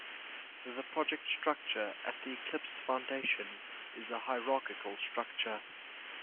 The project structure at the Eclipse Foundation is a hierarchical structure.